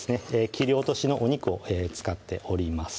切り落としのお肉を使っております